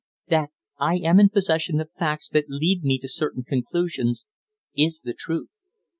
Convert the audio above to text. "That I am in possession of facts that lead me to certain conclusions, is the truth.